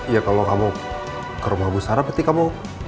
ya kalau kamu ke rumah bu sarah berarti kamu